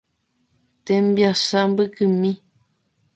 Tembiasa mbykymi.